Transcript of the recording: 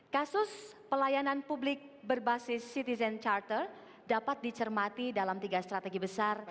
kasus pelayanan publik berbasis citizen charter dapat dicermati dalam tiga strategi besar